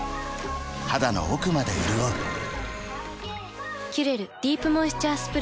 肌の奥まで潤う「キュレルディープモイスチャースプレー」